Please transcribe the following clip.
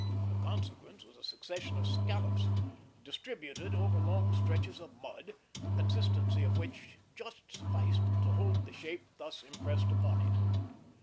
The consequence was a succession of scallops, distributed over long stretches of mud, the consistency of which just sufficed to hold the shape thus impressed upon it.